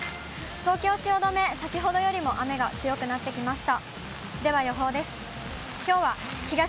東京・汐留、先ほどよりも雨が強くなってきました。